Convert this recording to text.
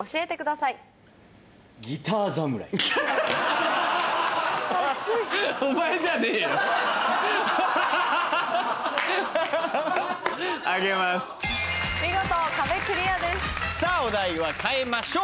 さぁお題は変えましょう！